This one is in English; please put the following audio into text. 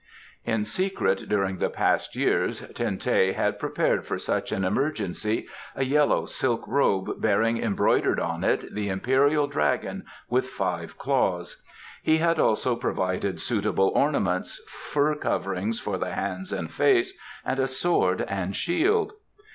In secret during the past years Ten teh had prepared for such an emergency a yellow silk robe bearing embroidered on it the Imperial Dragon with Five Claws. He had also provided suitable ornaments, fur coverings for the hands and face, and a sword and shield.